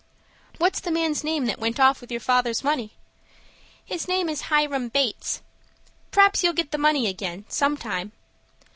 "What's the man's name that went off with your father's money?" "His name is Hiram Bates." "P'r'aps you'll get the money again, sometime."